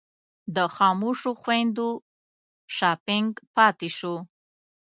د خاموشو خویندو شاپنګ پاتې شو.